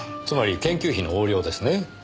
つまり研究費の横領ですね。